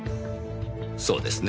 そうですね？